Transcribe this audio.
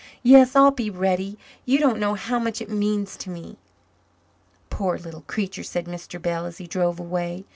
Yes, I'll be ready. You don't know how much it means to me." "Poor little creature," said Mr. Bell, as he drove away.